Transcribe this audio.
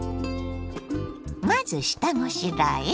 まず下ごしらえ。